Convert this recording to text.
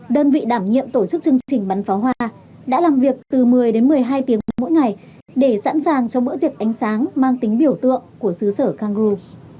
đơn vị đảm nhiệm tổ chức chương trình bắn pháo hoa đã làm việc từ một mươi đến một mươi hai tiếng mỗi ngày để sẵn sàng cho bữa tiệc ánh sáng mang tính biểu tượng của xứ sở cangroug